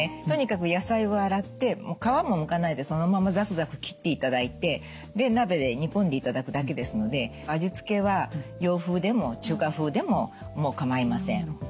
とにかく野菜を洗って皮もむかないでそのままザクザク切っていただいてで鍋で煮込んでいただくだけですので味付けは洋風でも中華風でも構いません。